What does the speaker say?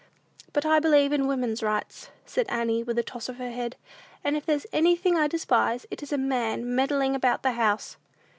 "But I believe in 'Woman's Rights,'" said Annie, with a toss of the head, "and if there's anything I despise, it is a man meddling about the house."